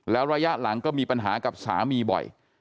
แล้วระยะหลังก็มีปัญหากับสามีบ่อย